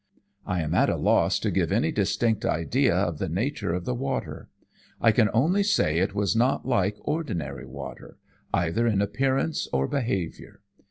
I am at a loss to give any distinct idea of the nature of the water. I can only say it was not like ordinary water, either in appearance or behaviour.